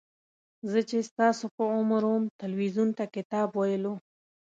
زه چې ستاسو په عمر وم تلویزیون ته کتاب ویلو.